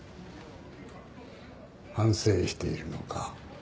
反省しているのか？